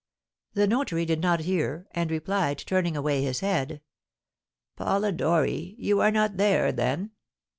The notary did not hear, and replied, turning away his head, "Polidori, you are not there, then?"